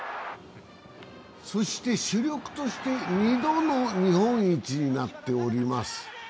そして主力として２度の日本一になっております。